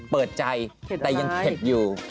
เปิดใจแต่ยังเข็ดอยู่